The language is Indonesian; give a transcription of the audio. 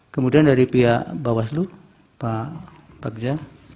kemudian dari pihak bawaslu pak bagza